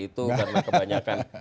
itu karena kebanyakan